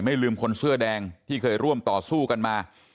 ลืมคนเสื้อแดงที่เคยร่วมต่อสู้กันมา